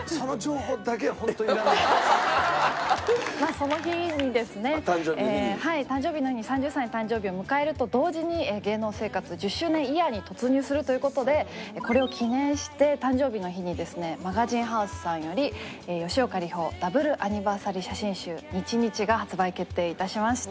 その日にですね誕生日の日に３０歳の誕生日を迎えると同時に芸能生活１０周年イヤーに突入するという事でこれを記念して誕生日の日にですねマガジンハウスさんより吉岡里帆Ｗアニバーサリー写真集『日日』が発売決定致しました。